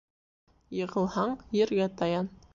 Йығылһаң, ергә таян.